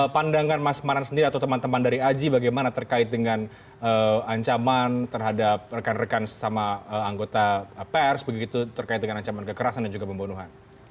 pandangan mas maran sendiri atau teman teman dari aji bagaimana terkait dengan ancaman terhadap rekan rekan sesama anggota pers begitu terkait dengan ancaman kekerasan dan juga pembunuhan